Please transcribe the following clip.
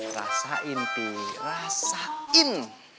rasain pih rasain